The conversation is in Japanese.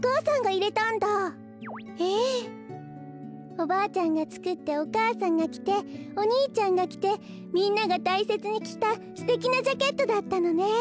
おばあちゃんがつくってお母さんがきてお兄ちゃんがきてみんながたいせつにきたすてきなジャケットだったのね。